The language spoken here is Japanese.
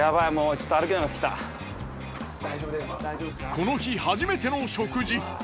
この日初めての食事。